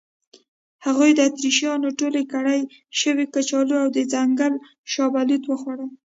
هغوی د اتریشیانو ټول کرل شوي کچالو او د ځنګل شاه بلوط وخوړل.